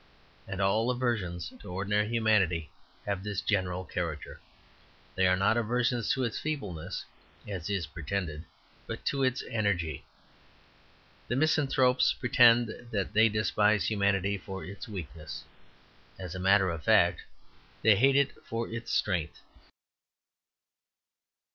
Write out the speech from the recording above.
And all aversions to ordinary humanity have this general character. They are not aversions to its feebleness (as is pretended), but to its energy. The misanthropes pretend that they despise humanity for its weakness. As a matter of fact, they hate it for its strength.